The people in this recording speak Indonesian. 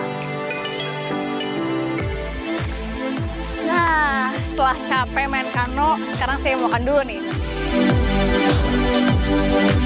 nah setelah capek main kano sekarang saya mau makan dulu nih